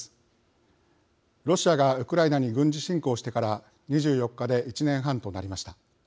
ロシアがウクライナに軍事侵攻してから２４日で１年半となりました。